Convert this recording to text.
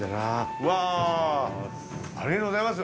うわぁありがとうございます。